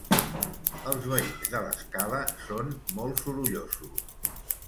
Els veïns de l'escala són molt sorollosos